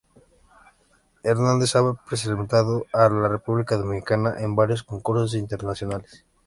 Hernández ha representado a la República Dominicana en varios concursos internacionales.